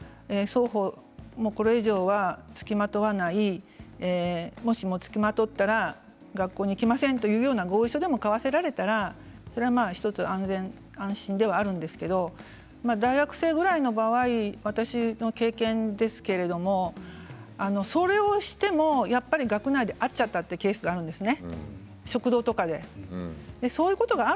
学校内で双方、これ以上はつきまとわないつきまとったら学校に行きませんという合意書を交わせられたら１つ安全、安心ではあるんですが大学生ぐらいの場合私の経験ですけれどもそれをしても学内で会っちゃったというケースがあるんですね。